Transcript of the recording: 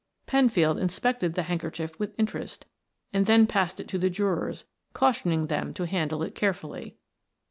Penfield inspected the handkerchief with interest, and then passed it to the jurors, cautioning them to handle it carefully.